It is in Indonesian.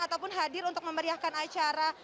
ataupun hadir untuk memeriahkan acara